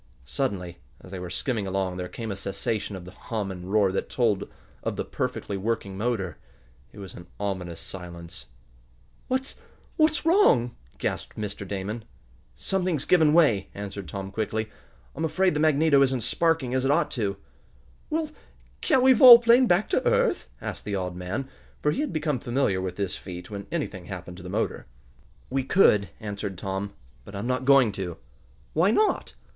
Suddenly, as they were skimming along, there came a cessation of the hum and roar that told of the perfectly working motor. It was an ominous silence. "What's what's wrong?" gasped Mr. Damon. "Something's given way," answered Tom quickly. "I'm afraid the magneto isn't sparking as it ought to." "Well, can't we volplane back to earth?" asked the odd man, for he had become familiar with this feat when anything happened to the motor. "We could," answered Tom, "but I'm not going to." "Why not?"